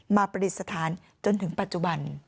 ประดิษฐานจนถึงปัจจุบัน